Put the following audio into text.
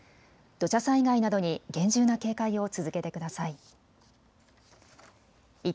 土砂災害などに厳重な警戒を続けてください。